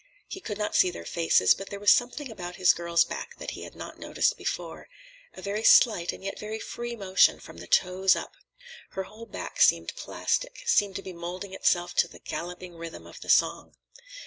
He could not see their faces, but there was something about his girl's back that he had not noticed before: a very slight and yet very free motion, from the toes up. Her whole back seemed plastic, seemed to be moulding itself to the galloping rhythm of the song.